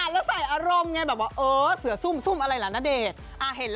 แล้วใส่อารมณ์ไงแบบว่าเออเสือซุ่มอะไรล่ะณเดชน์